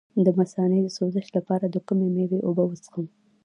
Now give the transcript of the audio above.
د مثانې د سوزش لپاره د کومې میوې اوبه وڅښم؟